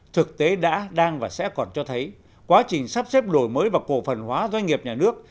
thực tế đã đang và sẽ còn cho thấy quá trình sắp xếp đổi mới và cổ phần hóa doanh nghiệp nhà nước